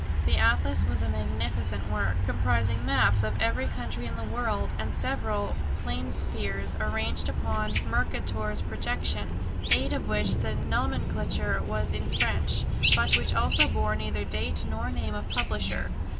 The atlas was a magnificent work, comprising maps of every country in the world, and several planispheres arranged upon Mercator's projection, aid of which the nomenclature was in French but which also bore neither date nor name of publisher.